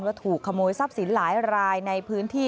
ถูกขโมยทรัพย์สินหลายรายในพื้นที่